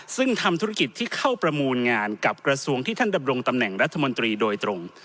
ซึ่งทำธุรกิจที่เข้าประมูลงานกับกระทรวงที่ท่านดำรงตำแหน่งรัฐมนตรีโดยตรง